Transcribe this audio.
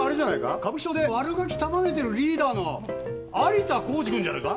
歌舞伎町で悪ガキ束ねてるリーダーの有田浩次君じゃないか？